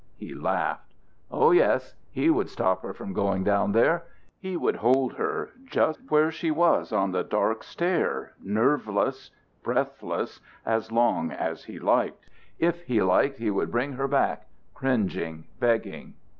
He laughed. Oh, yes, he would stop her from going down there; he would hold her, just where she was on the dark stair nerveless, breathless, as long as he liked, if he liked he would bring her back, cringing, begging.